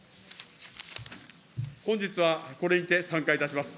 本日はこれにて散会いたします。